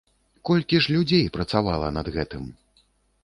Колькі ж людзей працавала над гэтым?